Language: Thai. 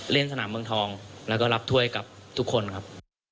เล่นสนามเมืองทองแล้วก็รับถ้วยกับทุกคนครับ